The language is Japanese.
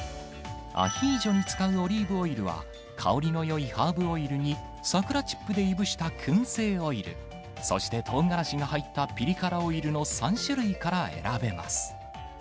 アヒージョに使うオリーブオイルは、香りのよいハーブオイルに、桜チップでいぶしたくん製オイル、そしてトウガラシが入ったピリ辛オイルの３種類から選べます。